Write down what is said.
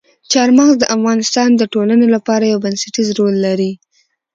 چار مغز د افغانستان د ټولنې لپاره یو بنسټيز رول لري.